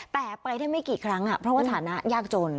แต่ไปได้ไม่กี่ครั้งเพราะว่าฐานะยากจน